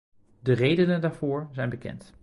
De redenen daarvoor zijn bekend.